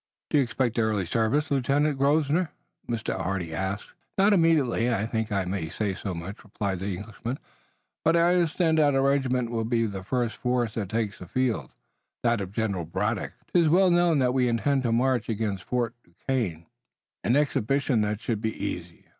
"Do you expect early service, Lieutenant Grosvenor?" Mr. Hardy asked. "Not immediate I think I may say so much," replied the Englishman, "but I understand that our regiment will be with the first force that takes the field, that of General Braddock. 'Tis well known that we intend to march against Fort Duquesne, an expedition that should be easy.